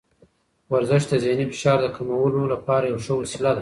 ورزش د ذهني فشار د کمولو لپاره یوه ښه وسیله ده.